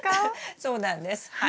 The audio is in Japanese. そうなんですはい。